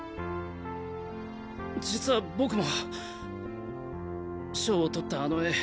実は僕も賞をとったあの絵